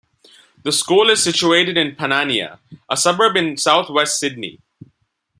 The school is situated in Panania, a suburb in south west Sydney.